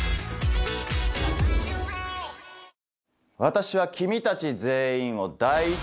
私は君たち全員を。